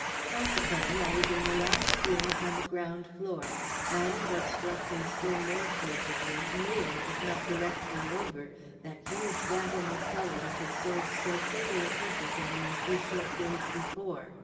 Consequently I was in the last room upon the ground floor, and, what struck me still more forcibly, near, if not directly over, that huge vat in the cellar which had served so fatal a purpose only a few short days before.